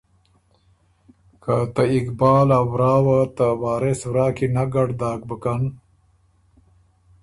که ته اقبال ا ورا وه ته وارث ورا کی نک ګډ داک بُکن،